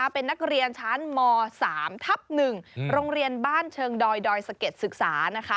เป็นนักเรียนชั้นม๓ทับ๑โรงเรียนบ้านเชิงดอยดอยสะเก็ดศึกษา